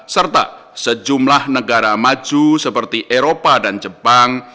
serta sejumlah negara maju seperti eropa dan jepang